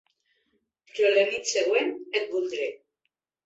Però la nit següent, et voldré.